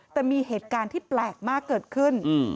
แต่มีเหตุการณ์ที่แปลกมากเกิดขึ้น